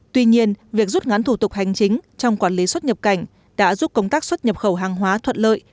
tuy nhiên việc rút ngắn thủ tục hành chính trong quản lý xuất nhập cảnh đã giúp công tác xuất nhập khẩu hàng hóa thuận lợi